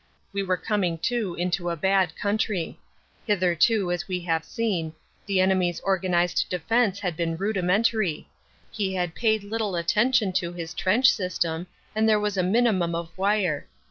We were coming too into a bad country. Hitherto, as we have seen, the enemy s organ ized defense had been rudimentary; he had paid little atten tion to his trench system and there was a minimum of wire.